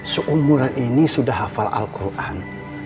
seumuran ini sudah hafal al quran